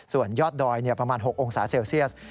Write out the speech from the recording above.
ส่วนยอดดอยประมาณ๖องศาเซลเซียส